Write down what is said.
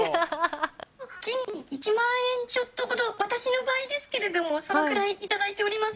月に１万円ちょっとほど、私の場合ですけれども、そのくらい頂いております。